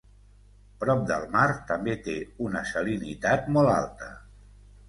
Prop del mar també té una salinitat molt alta.